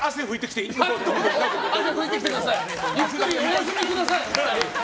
ゆっくりお休みください。